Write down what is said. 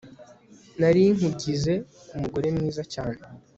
nari nkugize, umugore mwiza cyane